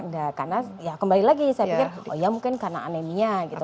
nah karena ya kembali lagi saya pikir oh ya mungkin karena anemia gitu